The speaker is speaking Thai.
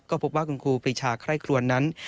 ก็พูดว่าคุณคุณปีชาค่ายครวนนั้น